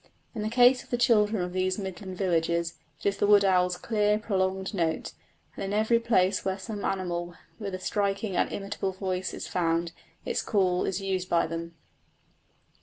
In the case of the children of these Midland villages it is the wood owl's clear prolonged note; and in every place where some animal with a striking and imitable voice is found its call is used by them.